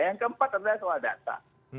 yang keempat adalah soal data